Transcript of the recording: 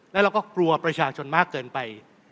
แล้วเราก็กลัวประชาชนมากเกินไป